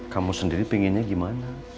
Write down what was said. kamu sendiri pinginnya gimana